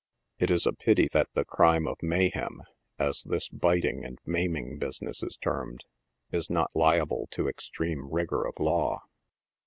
It is a pity that the crime of mayhem, as this biting and maiming business is termed, is not liable to extreme rigor of law.